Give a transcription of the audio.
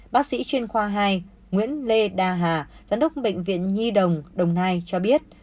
bác sĩ chuyên khoa hai nguyễn lê đa hà giám đốc bệnh viện nhi đồng đồng nai cho biết